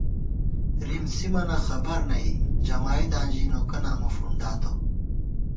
رِم سِمَنہ خبر نئی، جمائیداں ژی نوکہ نامہ فُنڈاتہ